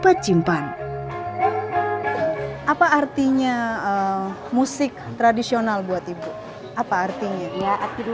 barangkali mereka harus memiliki jalan kawal untuk bermajinkan ini